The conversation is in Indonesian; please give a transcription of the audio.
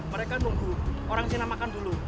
mereka nunggu orang cina makan dulu